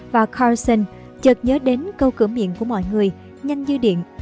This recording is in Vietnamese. và carson chợt nhớ đến câu cửa miệng của mọi người nhanh như điện